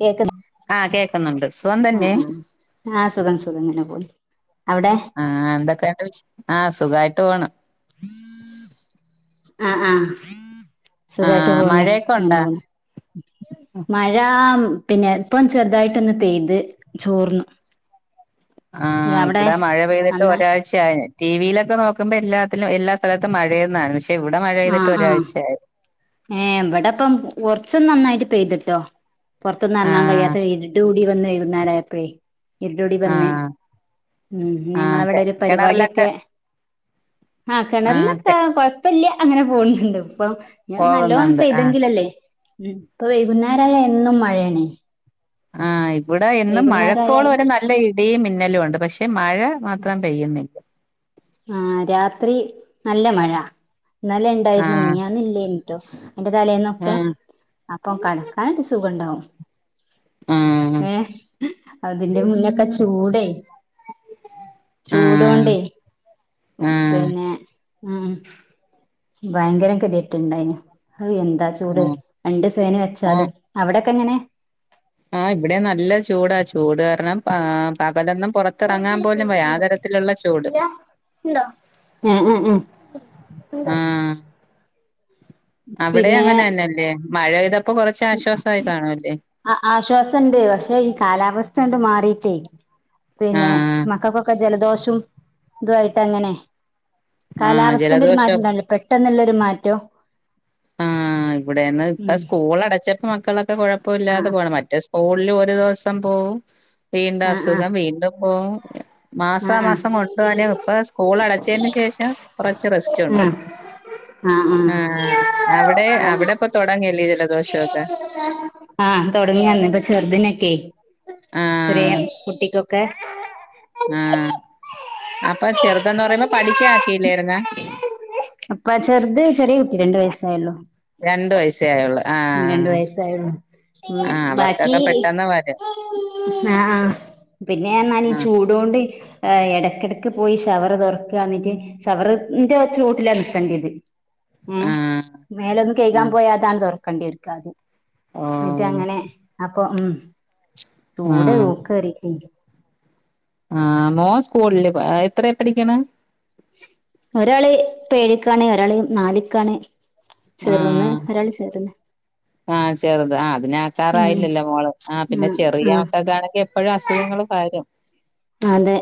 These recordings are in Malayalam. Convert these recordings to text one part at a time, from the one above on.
കേക്ക്ല്ല. ആഹ് കേക്കുന്നുണ്ട് സുഖം ആഹ് തന്നെ ആഹ് ആഹ് സുഖം സുഖം അങ്ങെനെ പോണ് അവെടെ? ആഹ് എന്തൊക്കെയൊണ്ട് വിഷ്. ആഹ് സുഖായിട്ട് പോണ്. ആഹ് ആഹ് സുഖായിട്ട് ആഹ് പോകുന്നു. മഴയൊക്കെ ഇങ്ങനെ ഉണ്ടാ പോന്നു [unintelligible] മഴാ പിന്നെ ഇപ്പം ചെറുതായിട്ടൊന്ന് പെയ്ത് ചോർന്നു. ആഹ് അവിടെ ഇവടെ മഴ പെയ്തിട്ട് നന്ന ഒരാഴ് പക്ഷെ ടി വി യിലൊക്കെ നോക്കുമ്പോ എല്ലാത്തിലും എല്ലാ സ്ഥലത്തും മഴയെന്നാണ്. പക്ഷെ ഇവടെ മഴ പെയ്തിട്ട് ആഹ് ആഹ് ഒരാഴ്ചയായി. ഏഹ്, ഇബടപ്പം ഒറച്ച് ഒന്ന് നന്നായിട്ട് പെയ്തിട്ടോ. പൊറത്തൊന്നും എറങ്ങാൻ ആഹ് കഴിയാത്ത ഇരിട് കൂടി വന്ന് വൈകുന്നേര ആയപ്പഴേ ഇരിട് കൂടി വന്ന്. ആഹ് ഉം ആഹ് കെ ഞങ്ങളവെടൊരു കിണറിലൊക്കെ പരിപാടിയെക്കെ. ആഹ് കെണറിലെത്താ കൊഴപ്പല്ല്യ അങ്ങനെ പോണുണ്ട് ഇപ്പം. ഇങ്ങനെ നല്ലോം പോകുന്നുണ്ട് ആഹ് പെയ്തെങ്കിലല്ലേ. ഉം ഇപ്പൊ വൈകുന്നേരായാ എന്നും മഴയാണേ. ആഹ് ഇവ്ടെ എന്നും വൈകുന്നേരം മഴക്കോളും ആയാല് വരും നല്ല ഇ ടിയും മിന്നെലും ഒണ്ട്. പക്ഷെ മഴ മാത്രം പെയ്യുന്നില്ല. ആഹ് രാത്രി നല്ല മഴ. ഇന്നലെ ഇണ്ടായിരുന്നു. ആഹ് മിനിയാന്ന് ഇല്ലേഞ്ഞിട്ടോ. അയിന്റെ തലേന്നൊക്കെ. ആഹ് അപ്പൊ കെടക്കാനട്ട് സുഖ ഉണ്ടാവും. ആഹ് ഏഹ് അതിന്റെ മുന്നൊക്കെ ചൂടേ ആഹ് ചൂടോണ്ടേ ഉം ആഹ് പിന്നെ ഉം ഭയങ്കര കെതിയെട്ട്ണ്ടായിന്. അഹ് എന്താ ചൂട്. ആഹ് രണ്ട് ഫാന് ആഹ് വെച്ചാലും. അവെടെക്കെ എങ്ങനെ? ആഹ് ഇവെടെം നല്ല ചൂടാ. ചൂട് കാരണം ആ പകലൊന്നും പൊറ ത്തിറങ്ങാൻ പോലും വയ്യാ. ആ തരത്തിലൊള്ള ചൂട്. ഏഹ് ഏഹ് ഏഹ് ആഹ് അവിടേ പിന്നെ അങ്ങനെ തന്നെ അല്ലേ. മഴെയ്തപ്പ കൊറച്ചാശ്വാസായി കാണൂല്ലേ. അ ആശ്വാസണ്ട്, പക്ഷേ ഈ കാലാവസ്ഥങ്ങണ്ട് മാറിട്ടേ പിന്നെ ആഹ് മക്കക്കൊക്കെ ജലദോഷും ഇതു ആയിട്ടങ്ങനെ ആഹ് കാലാവസ്ഥന്റെ ഒരു മാറ്റം ജലദോഷം ഉണ്ടാവുല്ലേ പെ ട്ടെന്നുള്ളൊരു മാറ്റം ആഹ് ഇവിടേന്ന് ഇപ്പ ഉം സ്കൂൾ അടച്ചപ്പ മക്കളൊക്കെ കുഴപ്പൊ ആ ല്ലാതെ പോണ്. മറ്റേ സ്കൂളിൽ ഒരു ദിവസം പോവും, വീണ്ടും ആ ആ ആ അസുഖം വീണ്ടും പോവും ആ മാസാ ആ മാസം കൊണ്ടുവാന് ഇപ്പ സ്കൂൾ അടച്ചതിന് ശേഷം കുറച്ച് റെസ്റ്റ് ഉണ്ട് ആഹ് ഹാ അവിടെ അവിടെ പ്പൊ തൊടങ്ങില്ലെ ജലദോഷൊക്കെ. ആഹ് തൊടങ്ങിയന്ന്. പ്പ ചെറുതിനൊക്കെ ചെറ്യേ ആഹ് കുട്ടിക്കൊക്കെ ആഹ്, അപ്പൊ ചെറുതന്ന് പറയുമ്പോ പഠിക്യാ ആക്കിയില്ലായിരുന്ന അപ്പ ചെറുത് ചെറിയ കുട്ടി രണ്ട് വയസ്സായുള്ളൂ. രണ്ട് വയസ്സേ ആയുള്ളു. ആഹ് രണ്ടു വയസ്സേ ആയുള്ളൂ. ഉം ആഹ് ബാക്കി അവർക്കൊക്കെ പെട്ടെന്ന് വരും ആഹ് പിന്നെ എന്നാല് ആഹ് ചൂട് ത് കൊണ്ട്ഏ എടക്കിട ക്ക് പോയി ശവറ് തൊറക്ക, ന്നിട്ട് ശവറിന്റെ ചോട്ടിലാ നിൽക്കണ്ടത്. ആഹ്, മേലൊന്ന്‌ കയ്‌കാൻ ആഹ് പോയാ താണ് തുറക്കേണ്ടിവരും ഇക്കാദ്യം. ന്നിട്ട് ഓഹ് അങ്ങനെ അപ്പൊ ഉം ചൂട് ആഹ് ഓക് എഡിറ്റയ്യി ആഹ് മോൻ സ്കൂളില് എത്രയാ പടിക്കണേ. ഒരാള് പ്പ ഏഴിക്കാണ്, ഒരാള് നാലിക്കാണ്. ചേറ്ന്ന് ആഹ് ഒരാൾ ചേറ്ന്ന്. ആഹ് ചെറുത്. ആ അതിനെ ഉം ആക്കാറായില്ലല്ലോ മോള്,. ആ പിന്നെ ആഹ് ചെറിയ ആഹ് മക്കക്കാണെങ്കി പ്പഴും അസുഖങ്ങളും പകരും. അതെ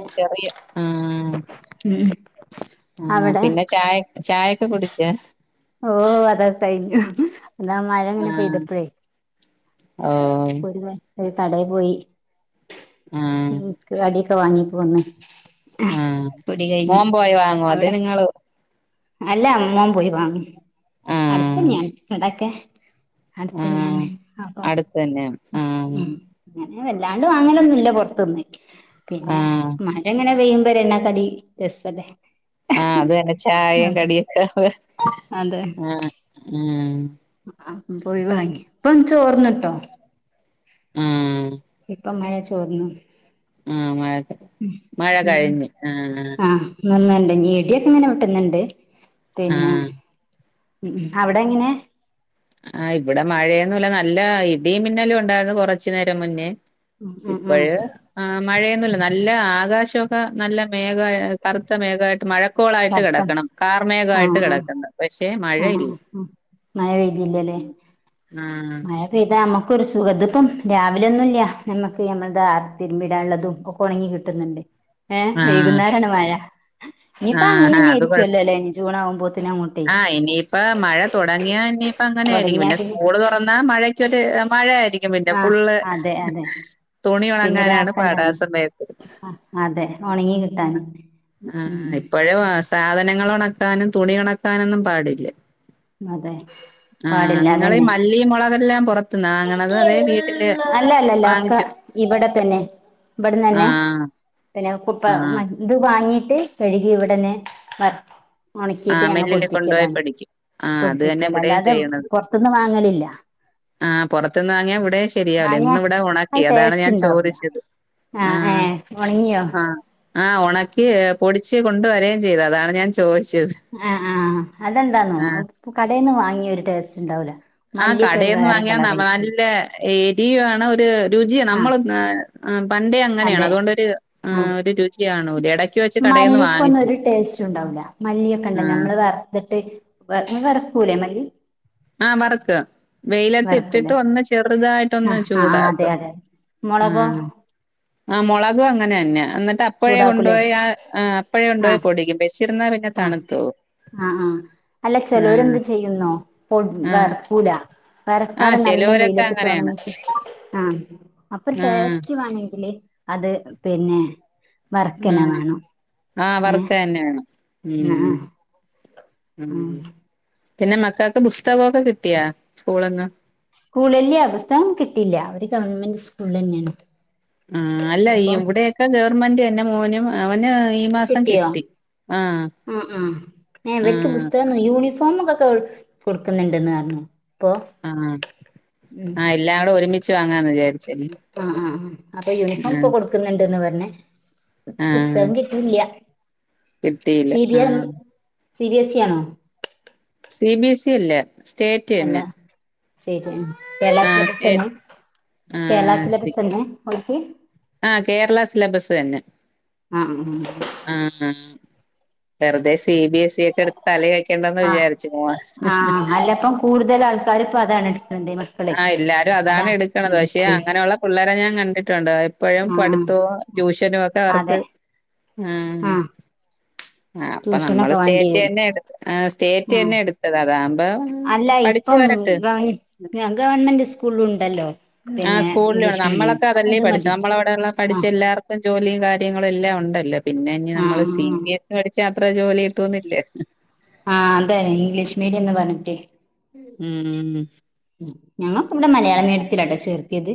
ഉം ആണോ അവിടെ പിന്നെ ചായ ചായൊക്കെ കുടിച്ച. ഓഹ് അതൊക്കെ കഴിഞ്ഞു. അതാ മഴ ങ്ങനെ ആഹ് പെയ്തപ്പോഴേ ഓഹ് ഒരുവട്ടം കാടെ പോയി. ആഹ് ഇൻക് കടി വാങ്ങി പോന്ന്. ആഹ്, മോൻ പോയി വാങ്ങോ അവിടെ അതിന്ങ്ങള് അല്ല മോൻ പോയി വാങ്ങി. അടുത്ത ആഹ് ന്നേണ് കടൊക്കെ. ആഹ് അടുത്തന്നെന്ന്‌ അപ്പം അടുത്ത് തന്നെയാണ് ഉം ആഹ് ഹേ ങ്ങനെ വല്ലാണ്ട് വാങ്ങലൊന്നുല്ല പൊർത്ത്ന്ന്. പിന്നെ, ആഹ് മഴ ങ്ങനെ പെയ്യുമ്പോ ഒരെണ്ണക്കടി രസല്ലേ. ആഹ്, അതന്നെ ആ ചായേം കടിയൊക്ക ആഹ് ഉം ആഹ് പോയി വാങ്ങി. പ്പം ചോർന്ന്ട്ടോ. ആഹ് പ്പം മഴ ചോർന്നു. ആഹ് മഴ, മഴ ഉം കഴിഞ്ഞ്. ആഹ് ആഹ് നിന്ന്ണ്ട്. ഞ്ഞി ഇടിയൊക്കെ ങ്ങനെ വെട്ടുന്നുണ്ട്. പിന്നെ, ആഹ് ഉം അവിടെ ങ്ങനെ? ആഹ് ഇവിടെ മഴയൊന്നുല്ല. നല്ല ഇടിം, മിന്നലും ഉണ്ടാര്ന്ന് കൊറച്ചു നേരം മുന്നേ ഉം ഉം ഉം ഇപ്പഴ് ആഹ് മഴയൊന്നുല്ല, നല്ല ആകാശൊക്കെ നല്ല മേഘ കറുത്ത മേഘായിട്ട് മഴ ക്കോളായിട്ട് ശബ്ദം കിടക്കണം, കാർമേഘായിട്ട് ആഹ് ആഹ് കിടക്കണ്ട. പക്ഷെ, മ ആഹ് ഉം മഴ പെയ്തില്ല ലേ ആഹ് അതെ ഇത് മ്മക്കൊരു സുഖം. തിപ്പം രാവിലെ ഒന്നുല്ല, നമ്മക്ക് നമ്മളത തിരുമ്പിടാനുള്ളതും ഒ ഒണങ്ങി കിട്ടുന്നുണ്ട് ഏഹ് ആഹ് വൈകുന്നേരാണ് മഴ. ഇനിയിപ്പ അങ്ങൻ ആഹ് അത് കൊഴ തന്നെയായിരിക്കുവല്ലേ. അല്ലേ. ജൂണാകുമ്പോത്തിനങ്ങോട്ട്. ആഹ് ഇനിയിപ്പ മഴ തുടങ്ങിയാ നിയിപ്പ അങ്ങനെ ആയിരിക്കും. പിന്നെ സ്കൂൾ തുറന്നാ മഴക്ക് മഴയായിരിക്കും. പിന്നെ ആഹ് ഫുള്ള്. അതെ അതെ തുണി പിന്നെ ഉണങ്ങാനാണ് പാട്. രാക്കണ്ടാവുലെ ആസമയത്ത്. ആഹ് അതെ ഉണങ്ങി കിട്ടാന് ആ ഉം ഉം ഇപ്പഴും സാധനങ്ങൾ ഒണക്കാനും തുണി ഒണക്കാനൊന്നും പാടില്യ അതെ ആഹ് പാടില്ല നിങ്ങളി അതന്നെ മല്ലി മൊളകെല്ലാം പൊറത് വാങ്ങണത് അതേ വീട്ടില് അല്ല അല്ലല്ല ഒക്കെ വാങ്ങിച്ചു. ഇവിടെ തന്നെ ഇവിടന്ന് തന്നെ ആഹ്. പിന്നെ ആഹ് [unintelligible] ഇത് വാങ്ങീട്ട് കഴുകി ഇവിടന്നെ വർ ഒണക്കിയിട്ട് ആഹ് ഞങ്ങള് മില്ലില് കൊണ്ടുപോയി പൊടിപ്പിക്കലാണ് പിടിക്കും. ആഹ് അത് തന്നെ പൊടിപ്പിക്കല ഇവിടെയും അല്ലാതെ ചെയ്യണത്. പൊറത്തിന്ന് വാങ്ങലില്ല. ആഹ് പൊറത്തിന്ന് വാങ്ങിയാ ഇവടേം ശെരിയാവില്ലേ വാങ്ങിയ ഇന്ന് ഇവിടെ ഒണക്കി അത് അതാണ് ടേസ്റ്റ് ഞാൻ ഉണ്ടാവൂല ചോദിച്ചത് ആഹ് ഏഹ് ഉണങ്ങിയോ ആഹ് ആഹ് ഒണക്കി പൊടിച്ച് കൊണ്ട് വരേം ചെയ്ത്, അതാണ് ഞാൻ ചോയിച്ചത്. ആഹ് ആഹ് അതെന്താന്നോ കടേന്ന് വാങ്ങിയാ ഒരു ടേസ്റ്റിണ്ടാവൂല. ആഹ് കടേന്ന് വാങ്ങിയാ നല്ല എരിയു ആണ് ഒര് രുചിയ ആഹ് നമ്മള് ആ പണ്ടേ അങ്ങനെയാണ് അതെ അതുകൊണ്ടൊരു ആഹ് ഏഹ് ഒരു രുചിയാണൂല എടക്ക് വെച്ച് കടേന്ന് വാങ്ങിച്ച്. ണ്ടാവൂല മല്ലിയൊക്കെണ്ട് ആഹ് നമ്മള് വർത്ത്ട്ട് [unintelligible] വറക്കൂലേ മല്ലി? ആഹ് വറക്ക് വെയിലത്തിട്ടിട്ട് വറക്കൂലേ ഒന്ന് ചെറുതായിട്ടൊന്ന് ചൂടാക്കും. മൊളകോ? ആഹ് ആഹ് മൊളകും അങ്ങനന്നെ എന്നിട്ട് [unintelligible] അപ്പോഴെ ചൂടാക്കൂലേ കൊണ്ടുപോയി ആഹ് ആഹ് അപ്പഴെ ആ കൊണ്ടോയി പൊടിക്കും, വെച്ചിരുന്നാ പിന്നെ തണുത്തോവും ആഹ് ആഹ് അല്ല ചെലോര് എന്ത് ചെയ്യുന്നോ പൊ ആഹ് വർക്കൂല. വറക്കാതെ ആഹ് നല്ലോം ചെലോരൊക്കെ അങ്ങനെയാണ് വെയിലിത്തിട്ടൊണങ്ങി [unintelligible] ആഹ് അപ്പൊ ആഹ് ടേസ്റ്റ് വേണെങ്കില് അത് പിന്നെ. വർക്കന്നെ ആഹ് വേണം. ആഹ് ഏ വർക്ക് തന്നെ വേണം ആ ഉം ആ ഉം പിന്നെ മക്കൾക്ക് പുസ്തകൊക്കെ കിട്ടിയാ സ്കൂള്ന്ന്. സ്കൂള് ഇല്യ പുസ്തകം കിട്ടില്യ അവര് ഗവൺമെന്റ് സ്കൂൾലന്നെയാണ്. ആഹ് അല്ല ഇവിടെയൊക്കെ ഗവൺമെന്റ് തന്നെ മോനും അവന്. ഈ മാസം കിട്ടിയോ? കിട്ടി ആഹ് ആഹ് ഇവർക്ക് ആഹ് പുസ്തകം [unintelligible] യൂണിഫോമൊക്കെ കൊ കൊടുക്കുന്നിണ്ടെന്ന് പറഞ്ഞു. ഇപ്പൊ ആഹ് ആഹ് ഉം ആഹ് എല്ലാം കൂടെ ഒരുമിച്ച് വാങ്ങാന്ന് വിചാരിച്ച [unintelligible] ആഹ് ആഹ് ആഹ് അപ്പൊ യൂണിഫോം ഇപ്പൊ കൊടുക്കുന്നിണ്ട്ന്ന് പർഞ്ഞ്, ആഹ് പുസ്തകം കി ഇല്യ കിട്ടിയില്ല സി ബി എ ആഹ് സി ബി എസ് ഇ ആണോ? സി ബി എസ് ഇ അല്ല. സ്റ്റേറ്റ് അല്ല തന്നെ സ്റ്റേറ്റ്ന്നെ കേരള ആഹ് സ്റ്റേ സിലബസന്നെ കേരള ആഹ് സിലബസന്നെ? [unintelligible] ആഹ് കേരള സിലബസ് തന്നെ. ആ ആ വെറുതെ സി ബി എസ് സിയൊക്കെ എടുത്ത് തല വെക്കേണ്ടന്ന് ആ വിചാരിച്ച് ആ [unintelligible] അല്ലപ്പം കൂടുതൽ ആൾക്കാര് ഇപ്പോ അതാണ് [unintelligible] ആഹ് എല്ലാരും അതാ അതാണ് എടുക്കണത് പക്ഷെ അങ്ങനെ ഉള്ള പിള്ളേരെ ഞാൻ കണ്ടിട്ടുണ്ട്, എപ്പഴും ആ ആ പഠിത്തവും ട്യൂഷനും ഒക്കെ അവർക്ക് അതെ ആ ആഹ് ആഹ് അപ്പൊ നമ്മള് ട്യൂഷനൊക്കെ വേണ്ടി സ്റ്റേറ്റ് വരും തന്നെ എടു ആഹ് സ്റ്റേറ്റ് ആ തന്നെ എടു ത്തത് അതാവുമ്പോ പഠിച്ചു വരട്ട്. ഞാൻ ഗവൺമെന്റ് സ്കൂളിലും ഉണ്ടല്ലോ. ആഹ് പിന്നെ സ്കൂളിലുണ്ട് ഇംഗ്ലീഷ് മീഡിയം നമ്മളക്കതല്ലേ അത് പഠിച്ചത്, മതി നമ്മള അവിടെള്ള പഠിച്ച ആഹ് എല്ലാർക് ക്കും ജോലിയും കാര്യങ്ങളും എല്ലാം ഉണ്ടല്ലോ പിന്നെ ഇഞ്ഞി ആഹ് നമ്മള് സി ആഹ് ബി എസ് പഠിച്ച അത്ര ജോലി കിട്ടൊന്നില്ലേ. ആഹ് അതെന്ന ഇംഗ്ലീഷ് മീഡിയെന്ന് പറഞ്ഞ്ട്ട് ഉം ഉം ഉം ഞങ്ങളൊക്കെ ഇവ്ട മലയാള മീഡിയത്തിലാട്ടോ ചേർത്തിയത്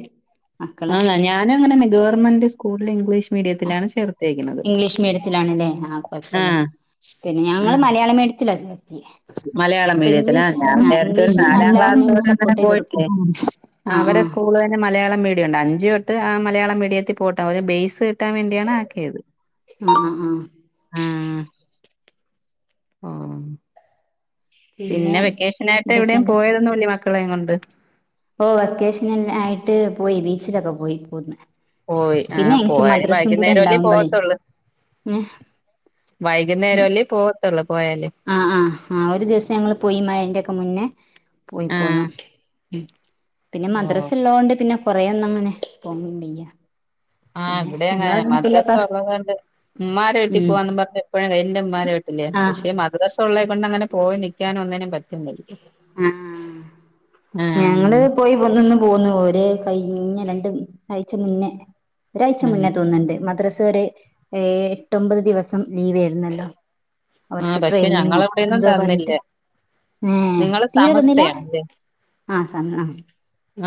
മക്കളെ ആന്ന ഞാനും അങ്ങന ഗവർമെന്റ് സ്കൂളില് ഇംഗ്ലീഷ് മീഡിയത്തിലാണ് ചേർത്തേക്കണത്. ഇംഗ്ലീഷ് മീഡിയത്തിലാണല്ലേ ആഹ് കൊഴപ്പല്ല ആഹ് തന്നെ ഞങ്ങള് ആഹ് മലയാള മീഡിയത്തില ചെർത്തിയെ മലയാളം മീഡിയത്തിലാ ഞാം വിചാരിച്ച് ഒര് നാലാം നല്ല ക്ലാസ്സ് ഒന്ന് വെരെ അങ്ങനെ സപ്പോർട്ട് ചെയ്ത് കൊടുക്കും പോയ്ട്ടെ ആഹ് അവരെ സ്കു ആഹ് സ്കൂള് തന്നെ മലയാളംമീഡിയം ഒണ്ട് അഞ്ച് തൊട്ട് ആഹ് മലയാള മീഡിയത്തി പോട്ടെ ഒര് ബേയ്സ് കിട്ടാം വേണ്ടിയാണ് ആക്കിയത്. ആഹ് ആഹ് ആഹ് ആഹ് പിന്നെ പിന്ന വെക്കേഷനായിട്ട് എവ്ടെയും എന്തൊക്കെയുണ്ട് പോയതൊന്നുല്ലേ മക്കളേം കൊണ്ട് ഓഹ് വെക്കേഷൻ നൽ ആയ്ട്ട് പോയി ബീച്ചിലെക്ക പോയി പോന്ന് പോയി പിന്നെ ആഹ് എനിക്ക് പോയാലും മദ്രസും കൂടെ വൈക്ന്നേരം അല്ലേ ഉണ്ടാവുമ്പോളേ പോകത്തൊള്ള് വൈക്ന്നേരം അല്ലേ പോകത്തൊള്ള് പോയാലും ആഹ് ആഹ് ആ ഒര് ദിവസം ഞങ്ങള് പോയ് മയെന്റെക്ക മുന്നേ പോയി ആഹ് പോന്നു ഉം പിന്ന ഓ മദ്രസെള്ളതോണ്ട് പിന്ന കൊറേ ഒന്നു അങ്ങനെ പോവാൻ വയ്യ ആഹ് പിന്നെ ഇവ്ടെ നമ്മളെ അങ്ങനെ മദ്രസ വീട്ടിലൊക്കെ ഉള്ളതോണ്ട് ഉമ്മാരെ വീട്ടിപ്പോ ഉം വാന്ന് പറഞ്ഞെപ്പഴും എന്റെ ഉമ്മാരെ വീട്ടില് ആഹ് പക്ഷെ മദ് മദ്രസ ഒള്ളെ കൊണ്ടങ്ങനെ പോയി നിക്കാനും ഒന്നിനും പറ്റുന്നില്ല അ ആഹ് ഞങ്ങള് ആഹ് പോയി വന്ന്ങ്ങ് പോന്നു ഒര് കയ്ഞ്ഞ രണ്ട് ആയ്ച മുന്നേ ഒരാഴ്ച ഉം മുന്നേ തോന്ന്ണ്ട് മദ്രസ ഒര് ഏഴ്‌ എട്ടൊമ്പത് ദിവസം ലീവെര്ന്നല്ലോ ആ ഓർക്ക് പക്ഷെ ട്രെയ്നിങ്ങോ ഞങ്ങളവിടെയൊന്നും എന്തോ തന്നില്ല പറഞ്ഞട്ട് ഏഹ് തീരെ തന്നില്ല സമസ്തയാണല്ലേ ആഹ് സ ആഹ്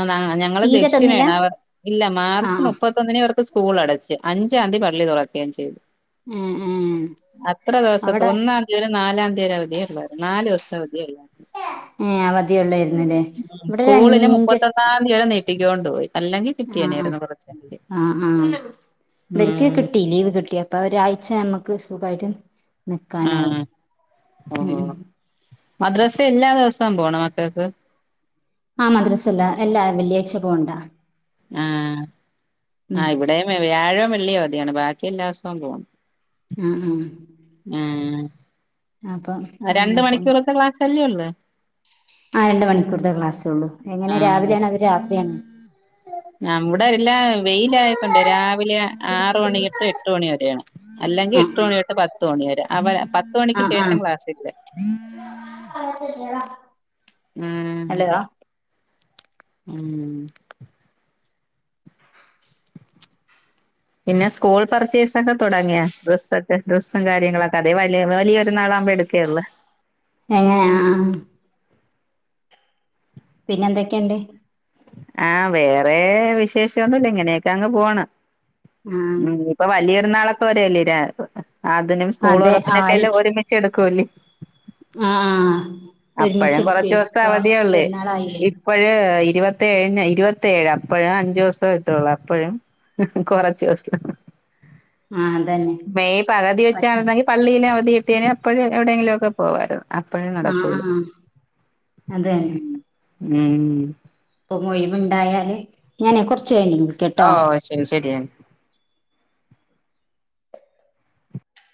ആന്ന ഞങ്ങള് തീരെ തന്നില്ല ദക്ഷിണയാണവർ ഇല്ല മാർച്ച് ആഹ് മുപ്പ മുപ്പത്തൊന്നിന് ഇവർക്ക് സ്കൂളടച്ച് അഞ്ചാന്തി പള്ളി തൊറക്കേം ചെയ്ത് ഏഹ് ഏഹ് അത്ര ദിവസത് അവിടെ ഒന്നാന്തി നാലാന്തിയരെ അവധിയേ ഒള്ളാര്ന്ന് നാല് ദെവസ്ത അവധിയേ ഒള്ളാര് ഏഹ് അവധി ഒള്ളെര്ന്ന്ല്ലേ ഇവടെ ഒരഞ്ചട്ട് പത്താന്തി വരെ നീട്ടിക്കോണ്ടു പോയി അല്ലെങ്കിൽ ആഹ് കിട്ടിയേനായിരുന്നു കുറച്ചെങ്കിലും ആഹ് ആഹ് ആഹ് ഇവര്ക്ക് ഉം കിട്ടി ലീവ് കിട്ടിയോ അപ്പ ഒരാഴ്ച നമ്മക്ക് സുഖായിട്ട് നിക്കാനായി ആഹ് ഉം ഓഹോ ഉം മദ്രസ എല്ലാ ദവസവും പോണോ മക്കക്ക് ആഹ് മദ്രസല്ല എല്ലാ വെള്ളിയാഴ്ച പോണ്ടാ ആഹ് ആ ഇവ്ടേം വ്യായോം വെള്ളി അവധിയാണ് ബാക്കി എല്ലാസോം പോണം ആഹ് ആഹ് ഊം അപ്പം രണ്ട് അങ്ങനെ പോണ് മണിക്കൂറത്തെ ക്ലാസ്സല്ലേ ഒള്ള് ആഹ് രണ്ട് മണിക്കൂർത്തെ ക്ലാസ്സെ ഒള്ളു എങ്ങനെ ആഹ് രാവിലെ ആണോ അതൊ രാത്രി ആണോ നമ്മുടെ എല്ലാം വെയിലായ്ക്കൊണ്ട് രാവിലെ ആറ് മണിതെട്ട് എട്ട് മണി വെരെയാണ് അല്ലെങ്കി എട്ട് ആഹ് മണിയൊട്ട് പത്ത് മണി വെരെ അവര പത്ത് മണിക്ക് ആഹ് ശേഷം ആഹ് ക്ലാസ് ഇല്ല ആഹ് ഉം ഹലോ ഉം പിന്ന സ്കൂൾ പർച്ചേസെക്കെ തൊടങ്ങിയാ ഡ്രസ്സക്കെ ഡ്രസ്സും കാര്യങ്ങളെക്ക അതേ വലിയ വലിയ പെര്ന്നാളാകുമ്പട് ക്കെ ഒള്ള് എങ്ങനാ ആഹ് പിന്നന്തെക്കണ്ട് ആഹ് വെറേ വിശേഷൊന്നുല്ല ഇങ്ങനെക്ക അങ്ങ് പോണ് ആഹ് ഉം ഇപ്പ വലിയ പെരുന്നാളക്ക വരുവല്ലേ അതിനും സ്കൂള് അതെ ആയി തൊറപ്പിനെക്കെല്ല ഒര്മിച്ചെടുക്കൂല്ലേ ആഹ് ഇപ്പ അപ്പഴും ഒര്മിച്ചെടുക്ക് വെ ഇപ്പ പെരുന്നാളായില്ലെ ഇപ്പഴ്‌ ഇരുവത്തെഴ്‌ന ഇര് വത്തേഴ് അപ്പഴ്‌ അഞ്ചോസം കിട്ടോള്ള് അപ്പഴും കൊറച്ച് ദിവസം ആഹ് അതന്നെ മെയ് പകുതി പറ്റി വെച്ചാരുന്നെങ്കി പള്ളിയില് അവധികിട്ടിയേന അപ്പഴ് എവിടെങ്കിലുമൊക്കെ പോവാരുന്ന് അപ്പഴും ആഹ് നടക്കൂല ആഹ് അതന്നെ ഉം ഉം ഇപ്പൊ ഒഴിവുണ്ടായാല് ഞാനെ കുറച്ച് [unintelligible] ഓ ശരി ശരി